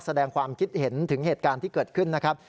แสดงความคิดเห็นถึงเหตุการณ์ที่เกิดขึ้นนะครับ